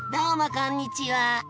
こんにちは。